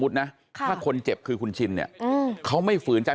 ถ้าคนเจ็บคือคุณชินเนี่ยเขาไม่ฝืนใจ